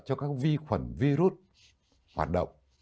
cho các vi khuẩn virus hoạt động